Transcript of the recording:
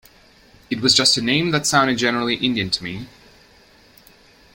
It was just a name that sounded generally Indian to me.